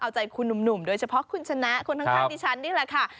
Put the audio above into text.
เอาใจคุณหนุ่มโดยเฉพาะคุณชนะคนข้างดิฉันนี่แหละค่ะ